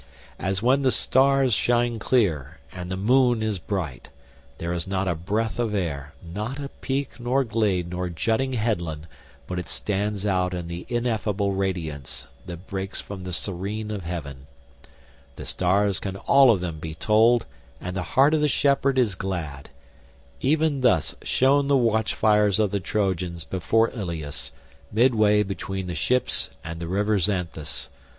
As when the stars shine clear, and the moon is bright—there is not a breath of air, not a peak nor glade nor jutting headland but it stands out in the ineffable radiance that breaks from the serene of heaven; the stars can all of them be told and the heart of the shepherd is glad—even thus shone the watchfires of the Trojans before Ilius midway between the ships and the river Xanthus.